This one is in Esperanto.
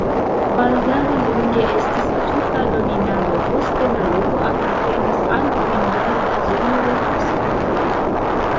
Baldaŭe longe estis turka dominado, poste la loko apartenis al limgarda zono de Habsburgoj.